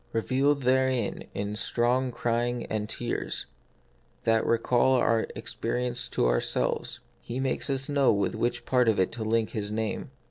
Revealed therein in strong crying and tears, that recall our own experience to ourselves, He makes us know with which part of it to link His name.